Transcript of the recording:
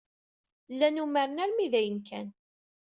Llan umaren armi d ayen kan.